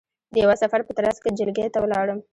د یوه سفر په ترځ کې جلگې ته ولاړم،